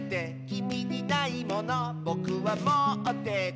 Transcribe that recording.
「きみにないものぼくはもってて」